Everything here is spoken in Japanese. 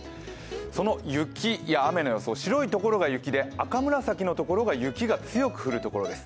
その雪や雨の様子、白いところが雪で赤紫の所が雪が強く降る所です。